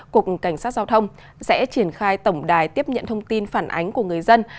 cục cảnh sát giao thông sẽ triển khai tổng đài tiếp nhận thông tin phản ánh của người dân